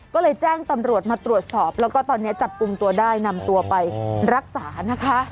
ก็เลยแจ้งตำรวจมาตรวจสอบแล้วก็ตอนนี้จับกลุ่มตัวได้นำตัวไปรักษานะคะ